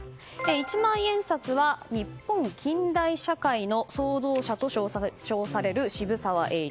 一万円札は日本近代社会の創造者と称される渋沢栄一。